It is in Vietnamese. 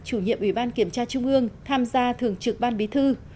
chủ nhiệm ủy ban kiểm tra trung ương tham gia thường trực ban bí thư